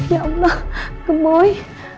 ya allah gemoy